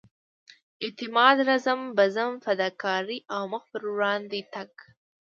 اعتماد رزم بزم فداکارۍ او مخ پر وړاندې تګ.